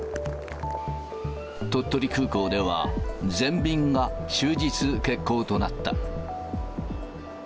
鳥取空港では、全便が終日欠航となった。